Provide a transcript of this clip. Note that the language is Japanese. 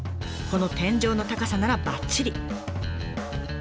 この天井の高さならばっちり！